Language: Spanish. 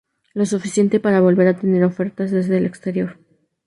Lo suficiente para volver a tener ofertas desde el exterior.